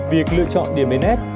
việc lựa chọn điểm lên nét